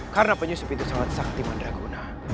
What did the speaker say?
karena penyusup itu sangat sakti menraguna